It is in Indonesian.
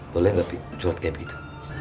boleh gak bik curhat kayak begitu